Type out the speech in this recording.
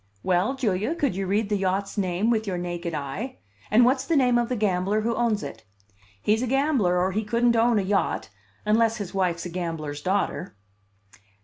Well, Julia, could you read the yacht's name with your naked eye? And what's the name of the gambler who owns it? He's a gambler, or he couldn't own a yacht unless his wife's a gambler's daughter."